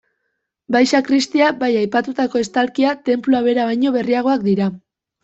Bai sakristia bai aipatutako estalkia tenplua bera baino berriagoak dira.